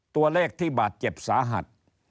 ตัวเลขที่บาดเจ็บสาหัส